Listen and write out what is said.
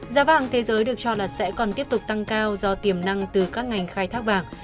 giá vàng thế giới được cho là sẽ còn tiếp tục tăng cao do tiềm năng từ các ngành khai thác vàng